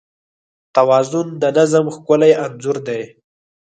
توازن د نظم ښکلی انځور دی.